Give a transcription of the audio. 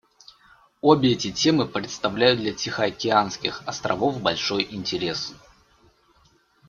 Обе эти темы представляют для тихоокеанских островов большой интерес.